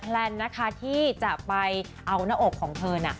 แลนนะคะที่จะไปเอาหน้าอกของเธอน่ะ